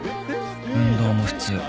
運動も普通